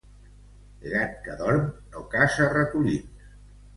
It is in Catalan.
Gat que dorm no caça ratolins.